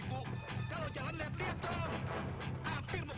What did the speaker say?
pokoknya gunis jangan khawatir ya